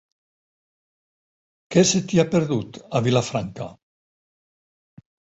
Què se t'hi ha perdut, a Vilafranca?